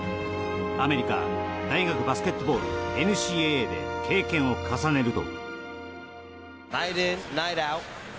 アメリカ大学バスケットボールＮＣＡＡで経験を重ねると。